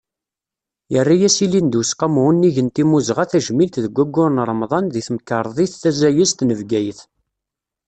Yerra-as ilindi Useqqamu unnig n timmuzɣa tajmilt deg waggur n Remḍan di temkerḍit tazayezt n Bgayet.